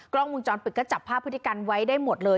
กล้องมุมจรปิดก็จับผ้าพฤติกันไว้ได้หมดเลย